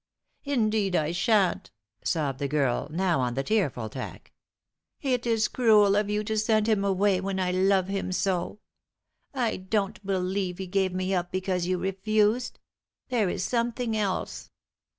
"Indeed I shan't!" sobbed the girl, now on the tearful tack. "It is cruel of you to send him away when I love him so. I don't believe he gave me up because you refused. There is something else."